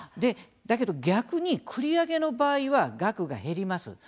だけど逆に、繰り上げの場合は額が減ります。